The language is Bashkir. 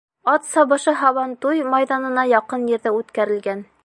Ат сабышы һабантуй майҙанына яҡын ерҙә үткәрелгән.